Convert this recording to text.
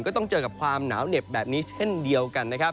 ต้องเจอกับความหนาวเหน็บแบบนี้เช่นเดียวกันนะครับ